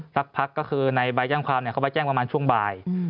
สักพักก็คือในใบแจ้งความเขาไปแจ้งประมาณช่วงบ่าย